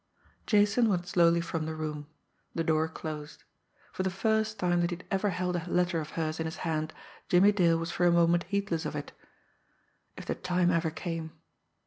Jason went slowly from the room. The door closed. For the first time that he had ever held a letter of hers in his hand Jimmie Dale was for a moment heedless of it. If the time ever came!